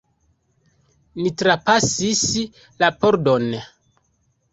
Ni trapasis la pordon.